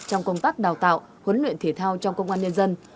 trong công tác đào tạo huấn luyện thể thao trong công an nhân dân